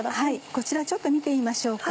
こちらちょっと見てみましょうか。